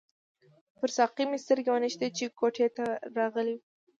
پر ساقي مې سترګې ونښتې چې کوټې ته راغلی وو.